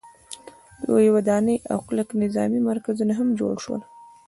لویې ودانۍ او کلک نظامي مرکزونه هم جوړ شول.